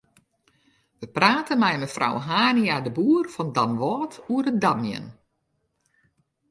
We prate mei mefrou Hania-de Boer fan Damwâld oer it damjen.